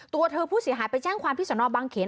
ตัวเธอผู้เสียหายไปแจ้งความที่สนบังเขน